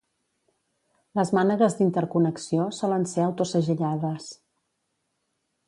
Les mànegues d'interconnexió solen ser autosegellades.